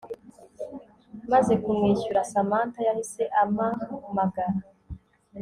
maze kumwishyura Samantha yahise amamagara